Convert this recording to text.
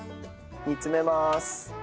煮詰めます。